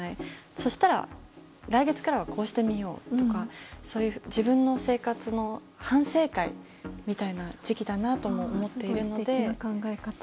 そしたら、来月からはこうしてみようとかそういう自分の生活の反省会みたいな時期だなと素敵な考え方。